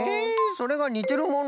それがにてるもの？